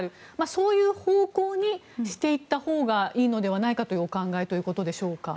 そういう方向にしていったほうがいいのではないかというお考えということでしょうか。